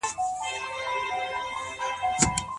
دا کیسه موږ ته د لويي زړه او سخاوت درس راکوي.